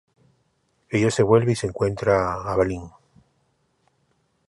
Ella se vuelve y se encuentra a Balin.